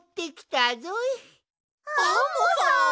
アンモさん！？